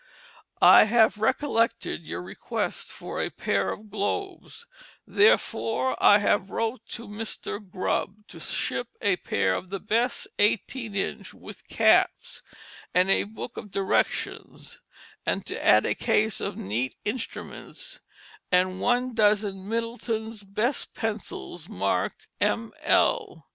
"... I have recollected your request for a pair of globes, therefore I have wrote to Mr. Grubb to ship a pair of the best 18 inch, with caps, and a book of directions, and to add a case of neat instruments, and one dozen Middleton's best pencils marked M. L.